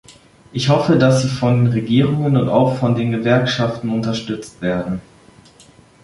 Ich hoffe, dass sie von den Regierungen und auch von den Gewerkschaften unterstützt werden.